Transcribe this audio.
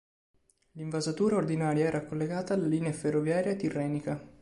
L'invasatura ordinaria era collegata alla linea ferroviaria tirrenica.